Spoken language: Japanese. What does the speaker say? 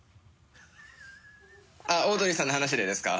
オードリーさんの話でですか？